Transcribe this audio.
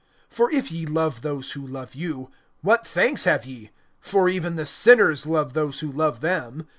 (32)For if ye love those who love you, what thanks have ye? For even the sinners love those who love them.